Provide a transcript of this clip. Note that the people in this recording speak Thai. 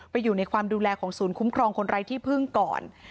อยู่ในความดูแลของศูนย์คุ้มครองคนไร้ที่พึ่งก่อน